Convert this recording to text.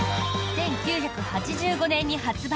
１９８５年に発売。